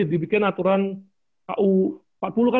dibikin aturan u empat puluh kan